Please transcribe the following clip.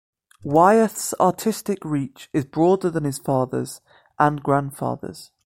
Wyeth's artistic reach is broader than his father's and grandfather's.